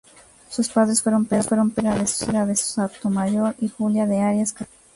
Sus padres fueron Pedro Ortega de Sotomayor y Juliana de Arias Castilla.